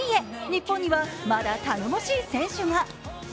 日本にはまだ頼もしい選手が。